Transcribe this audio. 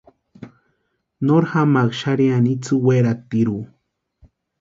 Nori jamaaka xarhiani itsï weratirhu.